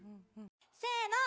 せの。